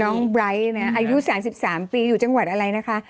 น้องใบ๊คอายุ๓๓ปีอยู่จังหวัดอะไรนะคะ